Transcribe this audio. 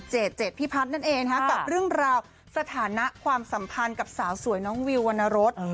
เจดพี่พัฒน์นั่นเองกับเรื่องราวสถานะความสัมพันธ์กับสาวสวยน้องวิววรรณรส